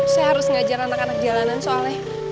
saya harus ngajar anak anak jalanan soalnya